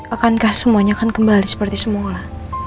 akankah semuanya akan kembali seperti semula